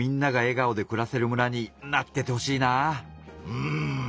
うん。